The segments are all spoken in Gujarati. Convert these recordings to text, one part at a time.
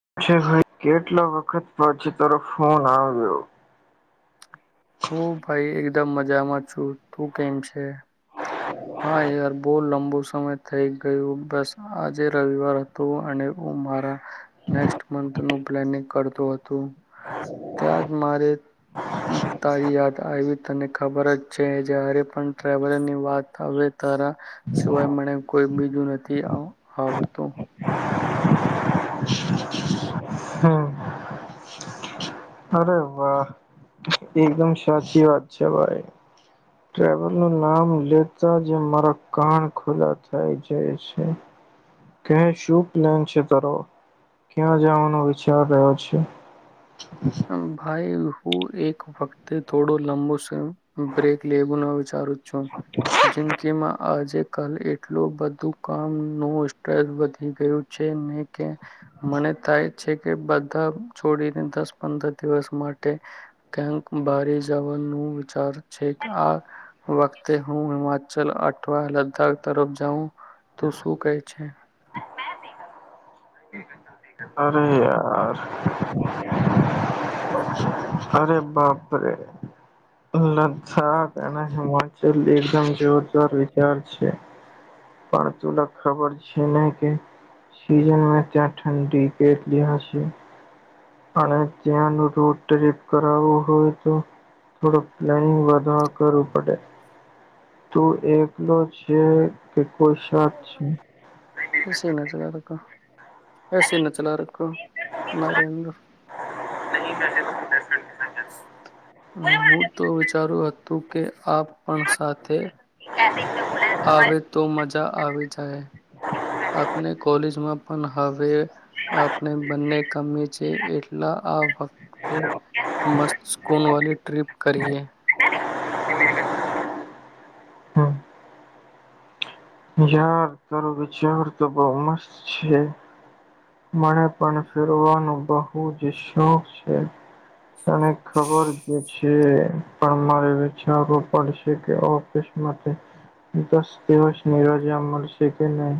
[unintelligible] કેટલા વખત પછી તરો ફોન આવ્યો હું ભાઈ એકદમ મજામાં છું તું કેમ છે હા યાર બો લંબો સમય થઈ ગયો બસ આજે રવિવાર હતો અને હું મારા [unintelligible] મથ નું પ્લાનિંગ કરતું હતું ત્યાંજ‌ મારે તારી યાદ આયવી તને ખબર જ છે જ્યારે પણ ટ્રાવલર ની વાત આવે તારા સિવાય મને કોઈ બીજું નથી આવ આવડતું હમ અરે વાહ એકદમ સાચી વાત છે ભાઈ ટ્રાવલનું નામ લેતા જ મારા કાન ખુલ્લા થઇ જાય છે કહે શું પ્લેન છે તારો ક્યાં જવાનો વિચાર રહ્યો છે હમ ભાઈ હું એક વખતે થોડો લંબો સમય બ્રેક લેવાનુ વિચારું છું જનકેમાં આજે કલ એટલું બધું કામ નું સ્ટ્રેસ વધી ગયું છે ને કે મને તાય છે કે બધા છોડીને દસ પંદર દિવસ માટે કાયક બારે જવાનું વિચાર છેક આ વખતે હું હિમાચલ અઠવા લદ્દાખ તરફ જાઉં તુ શું કહે છે અરે યાર અરે બાપરે સા તેને ચલ એકદમ જોરદાર વિચાર છે પણ તુલા ખબર છે ને કે ચ ત્યાં ત્યાં ઠંડી કેટલી હશે અને ત્યાંનું રોડ ટ્રીપ કરાવું હોય તો થોડો પ્લાનિંગ વધા કરવું પડે તુ એકલો છે કે કોઈ સાથ છે હસ એના ચલા રકો નરેન્દ્ર નહી [unintelligible] હું તો વિચારું હતું કે આપ પણ સાથે આવે તો મજા આવી જાય આપને કોલેજમાં પણ હવે આપણે બંને કમી છે એટલા આ વખતે મસ્તકૂન વાલી ટ્રીપ કરીએ યાર તારો વિચાર તો બહ મસ્ત છે મને પણ ફેરવાનો બહુ જ શોખ છે તને ખબર જ છે પણ મારે વિચારવું પડ છે કે ઓફિસ માટે દસ દિવસ ની રજા મળશે કે નહીં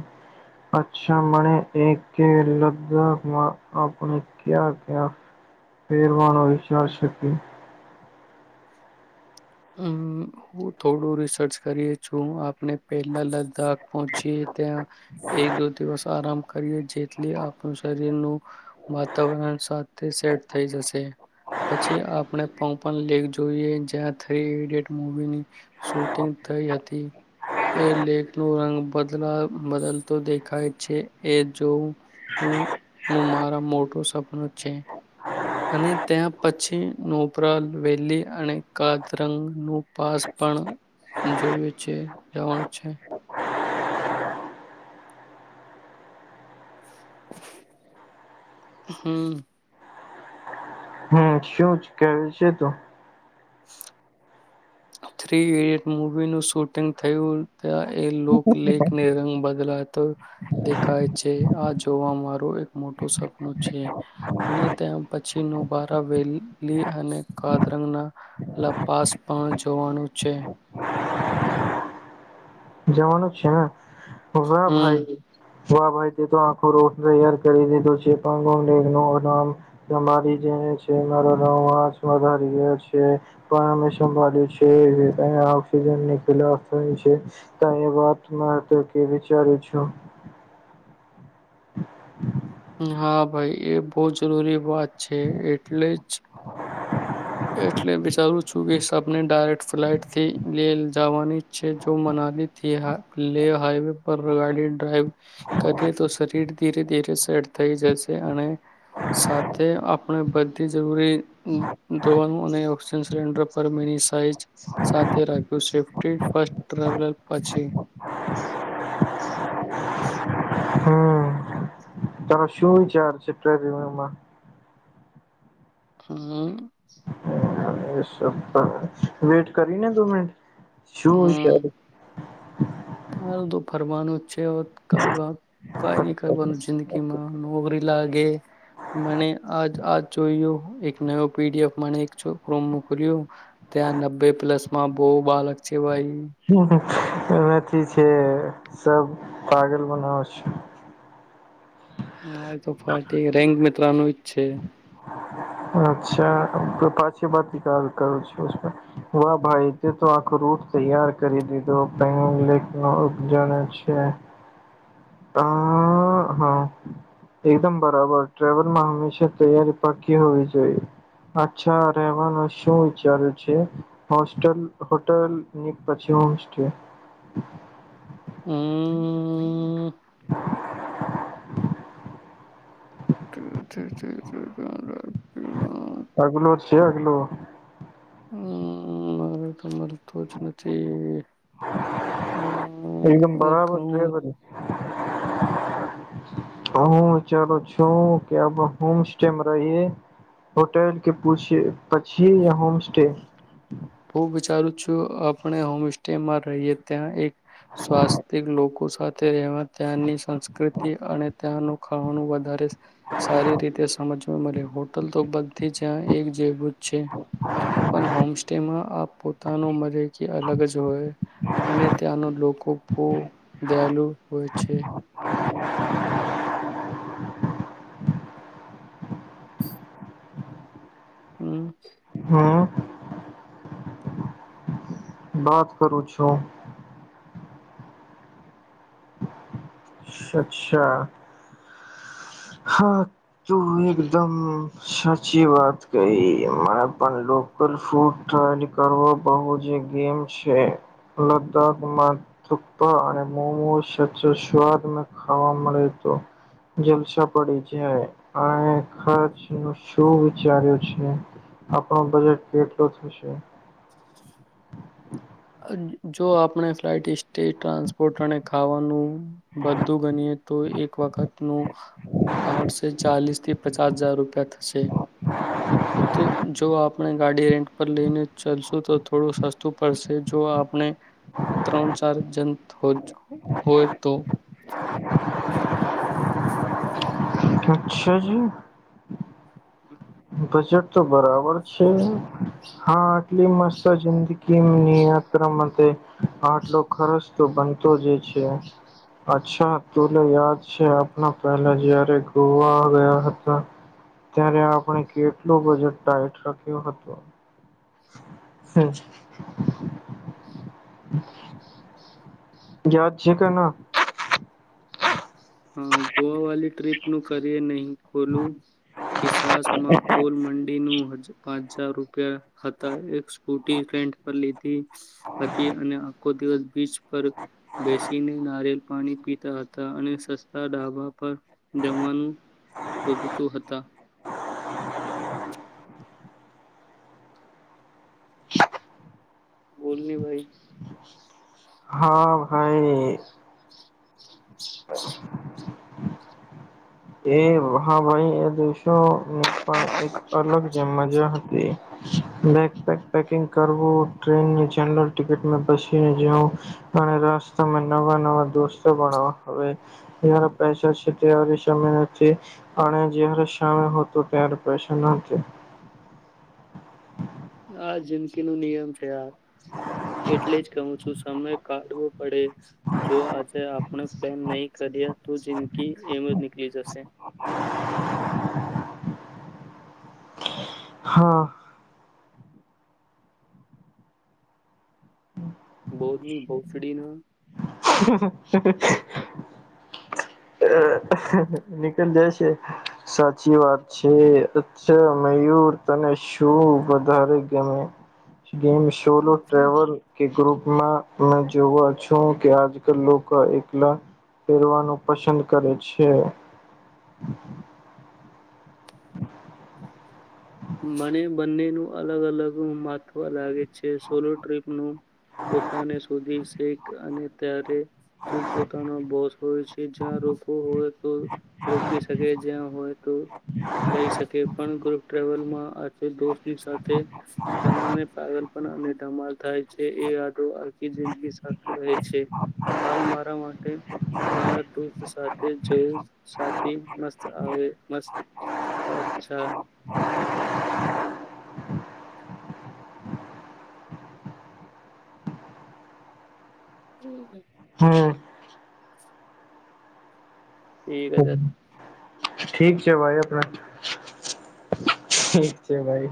અચ્છા મને એક કે લદ્દાખમાં આપણે ક્યા ક્યાં ફેરવાનો વિચાર શકીએ હમ હું થોડું રિસર્ચ કરીએ છું આપણે પહેલા લદ્દાખ પહોંચીએ ત્યાં એક દો દિવસ આરામ કરીએ જેથી આપણું શરીરનું વાતાવરણ સાથે સેટ થઈ જશે પછી આપણે પપન લેક જોઈએ જ્યાં થ્રી ઈડિયટ મવીની શૂટિંગ થઈ હતી એ લેક નું રંગ બદલા બદલતો દેખાય છે એ જોવું નું મારા મોટું સપનું છે અને ત્યાં પછી નોપરા વેલી અને કાદરંગનું પાસ પણ જોયું છે જવાનું છે હમ હમ શું કે છે તું થ્રી ઈડિયટ મૂવીનું શૂટિંગ થયું એ લોકલેખ ને રંગ બદલાત તો દેખાય છે આ જોવા મારો એક મોટો સપનું છે અને તં પછી નોબારા વેલી અને કાદરંગ ના લપાસ પણ જોવાનું છે જવાનું જ છે ને હ હમ ભાઈ વા ભાઈ તે તો આખો રોડ તૈયાર કરી દીધું છેમ [unintelligible] સંભળ છે [unintelligible] ત એ વાત મા તો કે વિચારું છું હા ભાઈ એ બહુ જરૂરી વાત છે એટલે જ એટલે વિચારું છું કે આપપને ડાયરેક્ટ ફ્લાઇટ થી લે જવાની છે જો મનાલીથી લે હાઈવે પર ગાડી ડ્રાઈવ કરીએ તો શરીર ધીરે ધીરે સેટ થઈ જશે અને સાથે આપણે બધી જરૂરી ધોવાનું અને ઓક્સિજન સિલિન્ડર પર મિની સાઇઝ સાથે રાખ્યું સેફ્ટી ફસ્ટ ટ્રાવલર પછી તાર શું વિચાર છે પ્રેરીરામમાં હમ વેટ કરીને દો મિનટ શું ચાલે? હાલ તો ફરવાનું છે અવે કઈ વાત કઈ ની કરવાનું જિંદગીમાં નોકરી લાગે મને આજ આજ જોયું એક ન પીડીએફ મને એક છોકરો મોક્યો ત્યાં નબ્બે પ્લસમાં બો બાળક છે ભાઈ! શું હતું? એથી છે સૌ પાાગલ બનાવે છે. હા એ તો ફાર્ટ રેન્ક મિત્રનું જ છે. અચ્છા પાછી બદલી કાલ કરું છું. વાહ ભાઈ! તે તો આખો રૂટ તૈયાર કરી દીધો પંગ લેક નવ જણ છે. આ હા એકદમ બરાબર ટ્રાવેલમાં હંમેશા તૈયારી પાકી હોવી જોઈએ. અચ્છા રહેવાનું શું વિચાર્યું છે? હોસ્ટેલ, હોટેલની પછી રૂમસ્ટે હમ... [unintelligible] અગલો છે અગલો હમ મારે તો મળતું જ નથી. એકદમ હું બરાબર છે કહું બ હું વિચારો છો? કે હોમ સ્ટેમાં રહીએ હોટેલ કે પૂછે પછી હોમ સ્ટે. ચારુ છું. આપણે હોમ સ્ટેમાં રહીએ ત્યાં એક સ્વાસ્તિક લોકો સાથે રહેવા ત્યાંની સંસ્કૃતિ અને ત્યાંનું ખાવાનું વધારે સારી રીતે સમજવા મળે હોટલ તો બધી જ્યાં એક જેવું જ છે. પણ હોમ સ્ટેમાં આ પોતાનું મળે જે અલગ જ હોય અને ત્યાંનું લોકો બો દયાલુ હોય છે. હમ હું વાત કરું છો? અચ્છા! હા તું એકદમ સાચી વાત કહી મને પણ લોકલ ફૂડ [unintelligible] ને ખાવા મળે તો જલસા પડી જાય, અને ખર્ચ નું શું વિચાર્યું છે? આપણો બજેટ કેટલો થશે? જો આપણે ફ્લાઇટ, ઇસ્ટે, ટ્રાન્સપોર્ટ અને ખાવાનું બધું ગણીએ તો એક વખતનું આડશે ચાલીસ થી પચાસ હજાર રૂપિયા થશે. તો જો આપણે ગાડી રેન્ટ પર લઈને ચાલશું તો થોડું સસ્તું પડશે. જો આપણે ત્રણ ચાર જન હોય તો. છા જી હમ [unintelligible] બજેટ તો બરાબર છે. હા! આટલી મસ્ત જિંદગીની યાત્રા માટે આટલો ખર્ચ તો બનતો જ છે અચ્છા! તુ ને યાદ છે આપણા પહેલા જયારે ગોવા આવીયા હતા ત્યારે આપણે કેટલું બજેટ ટાઈટ રાખ્યું હતું. હમ [unintelligible] યાદ છે કે ના? હમ ગોવા વાલી ટ્રીપ નું કરીએ નહી ખોલું? એક સાંસ માં ગોલ્ડમન ઇન મોજ પાંચ હજાર રૂપિયા હતા. એક સ્કૂટી રેંટ પર લીધી હતી અને આખો દિવસ બીચ પર બેસીને નારિયલ પાણી પીતા હતા અને સ ડાબા પર જવાનું રોધતું હતા. બોલ ની ભાઈ! હા ભાઈ [unintelligible] એ હ ભાઈ એદેશો પણ એક અલગ જે મજા હતી ને બેપર્કિંગ કરવું, ટ્રેનની જનરલ ટિકિટ માં બેસીને જવું અને રસ્તામાં નવા-નવા દોસ્તો મણવા હવે જ્યારે પૈસા છે ત્યારે જ અને જ્યારે સામે હતો ત્યારે પૈસા નથી. આ જિંદગી નો નિયમ છે યાર! એટલે જ કહું છું સમય કાઢવો પડે. જો આજે આપણે પ્લેન નહી કરીએ તો જિંદગી એમ જ નીકળી જશે. હા, બોલની ભોસદીના [unintelligible] નીકળ જાય છે. સાચી વાત છે, અછા! મયુર તને શું વધારે ગમે? ગેમ શોલો ટ્રેવલ કે ગ્રુપમાં મેં જોવા છું. કે આજકાલ લોકો એકલા પેરવાનું પસંદ કરે છે. [unintelligible] મને બંનેનું અલગ અલગ મહત્વ લાગે છે સોલો ટ્રીપ નું પોતાને શોધી શેખ અને ત્યારે તું પોતાનો બોસ હોય છે જ્યાં રોકવો હોય તો રોકી શકે જ્યાં હોય તો જઈ શકે ટલમાં આ દોસ્તની સાથે જમણાને પગલ પણ ધમાલ થાય છે એ યાદો આખી જિંદગી સાથે રહે છે હાલ મારા માટે મારા દોસ્ત સાથે જોયુંથી મસ્ત આવેત અચ્છા હમ હ હમ એ ગ છે ઠીક છે ભાઈ આપણા ઠીક છે ભાઈ